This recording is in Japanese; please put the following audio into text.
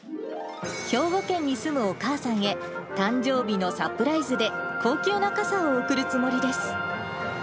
兵庫県に住むお母さんへ、誕生日のサプライズで高級な傘を贈るつもりです。